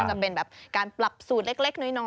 จะเป็นแบบการปรับสูตรเล็กน้อย